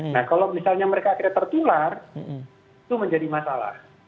nah kalau misalnya mereka akhirnya tertular itu menjadi masalah